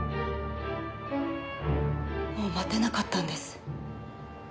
もう待てなかったんです。